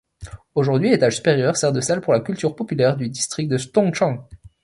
Aujourd'hui, l'étage supérieur sert de salle pour la culture populaire du district de Dongcheng.